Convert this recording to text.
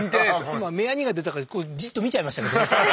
今目やにが出たかこうじっと見ちゃいましたけどね。